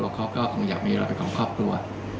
ผมคิดว่าครอบครัวเขาก็คงอยากจึงไม่เลือกรอบพ่อใครที่ครอบครัว